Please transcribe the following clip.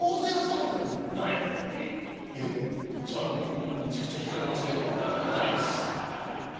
みんなめちゃくちゃ引かれますけど、ないです。